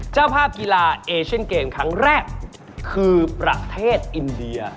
เจ้าภาพกีฬาเอเชียนเกมครั้งแรกคือประเทศอินเดีย